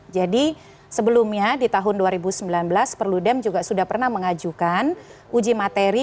jadi sebelumnya di tahun dua ribu sembilan belas perludem juga sudah pernah mengajukan uji materi